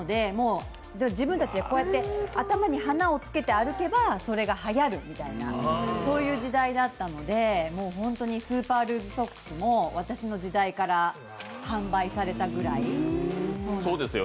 自分たちで頭に花をつけて歩けばそれが、はやるみたいな時代だったのでもう本当にスーパールーズソックスも私の時代から販売されたぐらい。